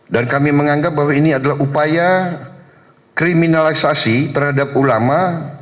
kami menganggap bahwa ini adalah upaya kriminalisasi terhadap ulama